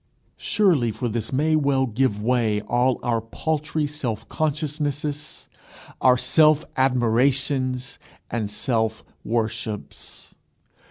Surely for this may well give way all our paltry self consciousnesses, our self admirations and self worships!